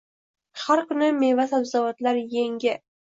Har kuni meva-sabzavotlar yeng.